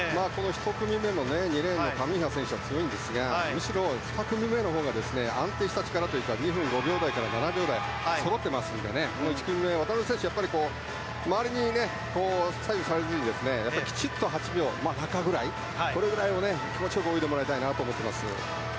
１組目の２レーンのカミンハ選手が強いんですがむしろ２組目のほうが安定した力というか２分５秒台から７秒台がそろっていますので１組目、渡辺選手周りに左右されずにきちんと８秒の真ん中ぐらいで気持ちよく泳いでもらいたいなと思います。